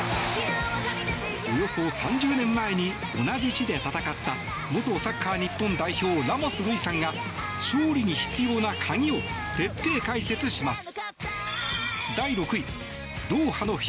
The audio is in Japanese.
およそ３０年前に同じ地で戦った元サッカー日本代表ラモス瑠偉さんが勝利に必要なカギを徹底解説します。